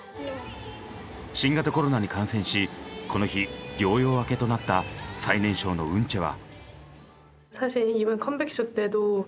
新型コロナに感染しこの日療養明けとなった最年少のウンチェは。